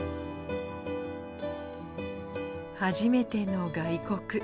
初めての外国。